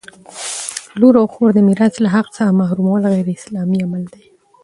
لور او خور د میراث له حق څخه محرومول غیراسلامي عمل دی!